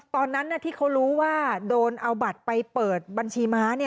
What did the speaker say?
ตอนนั้นที่เขารู้ว่าโดนเอาบัตรไปเปิดบัญชีม้า